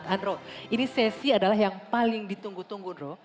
andro ini sesi adalah yang paling ditunggu tunggu andro